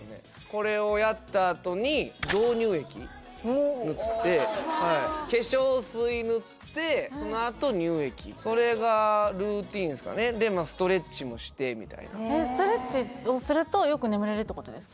これをやったあとに導入液塗って化粧水塗ってそのあと乳液それがルーティンですかねでストレッチもしてみたいなストレッチをするとよく眠れるってことですか？